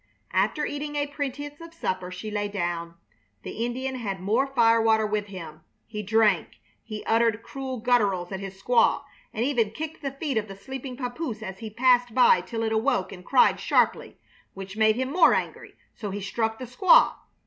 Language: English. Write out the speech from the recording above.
After eating a pretense of supper she lay down. The Indian had more firewater with him. He drank, he uttered cruel gutturals at his squaw, and even kicked the feet of the sleeping papoose as he passed by till it awoke and cried sharply, which made him more angry, so he struck the squaw.